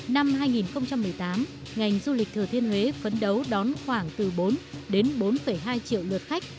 năm hai nghìn một mươi tám ngành du lịch thừa thiên huế phấn đấu đón khoảng từ bốn đến bốn hai triệu lượt khách